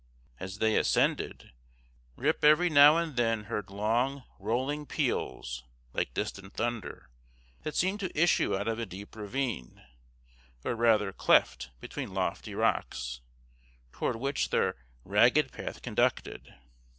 As they ascended, Rip every now and then heard long rolling peals, like distant thunder, that seemed to issue out of a deep ravine, or rather cleft between lofty rocks, toward which their rugged path conducted.